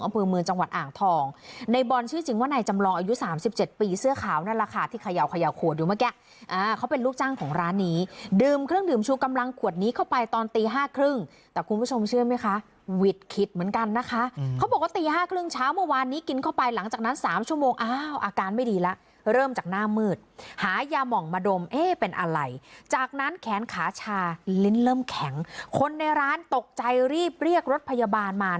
เป็นลูกจังของร้านนี้ดื่มเครื่องดื่มชูกำลังขวดนี้เข้าไปตอนตี๕ครึ่งแต่คุณผู้ชมเชื่อไหมคะวิดคิดเหมือนกันนะคะเขาบอกว่าตี๕ครึ่งเช้าเมื่อวานนี้กินเข้าไปหลังจากนั้น๓ชั่วโมงอ้าวอาการไม่ดีแล้วเริ่มจากหน้ามืดหายาหม่องมาดมเป็นอะไรจากนั้นแขนขาชาลิ้นเริ่มแข็งคนในร้านตกใจรีบเรียกรถพยาบาลมา